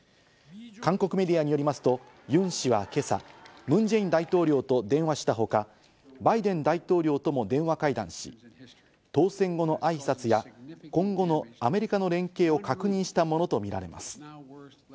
韓国メディアによりますとユン氏は今朝、ムン・ジェイン大統領と電話したほか、バイデン大統領とも電話会談し、当選後の挨拶や今後のアメリカの連携を確認したものとみられます。